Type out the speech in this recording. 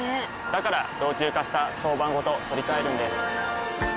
から老朽化した床版ごと取り替えるんです。